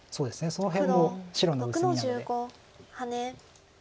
その辺も白の薄みなので。